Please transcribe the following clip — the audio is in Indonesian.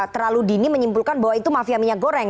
terlalu dini menyimpulkan bahwa itu mafia minyak goreng